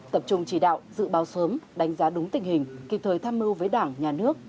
tập trung chỉ đạo dự báo sớm đánh giá đúng tình hình kịp thời tham mưu với đảng nhà nước